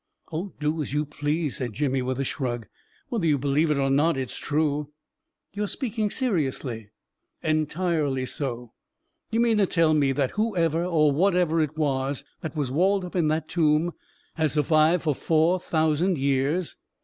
" Oh, do as you please," said Jimmy with a shrug. " Whether you believe it or not, it's true !"" You are speaking seriously? "•" Entirely so." " You mean to tell me that whoever or whatever it was that was walled up in that tomb has survived for four thousand years?